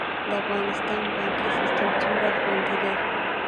د افغانستان بانکي سیستم څومره خوندي دی؟